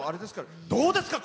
どうですか？